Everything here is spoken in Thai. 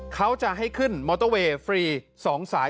เขาจะให้ขึ้นมอเตอร์เวย์ฟรี๒สาย